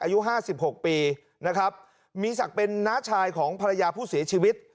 อายุห้าสิบหกปีนะครับมีศักดิ์เป็นน้าชายของภรรยาผู้เสียชีวิต